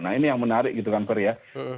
nah ini yang menarik gitu kan per ya